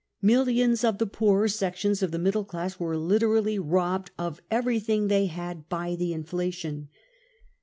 Millions of the poorer sections of the middle class were literally robbed of every thing they had by the inflation.